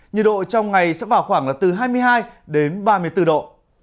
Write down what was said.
nhiệt độ trong ngày sẽ vào khoảng là từ hai mươi hai đến ba mươi bốn độ